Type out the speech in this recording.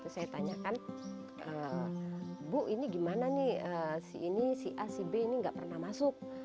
saya tanyakan bu ini gimana nih si a si b ini nggak pernah masuk